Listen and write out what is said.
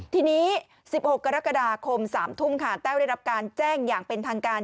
ทีนี้๑๖กรกฎาคม๓ทุ่มค่ะแต้วได้รับการแจ้งอย่างเป็นทางการ